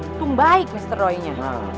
untung baik mr roynya